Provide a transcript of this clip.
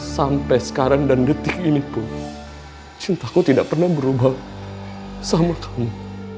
sampai sekarang dan detik ini pun cintaku tidak pernah berubah sama kamu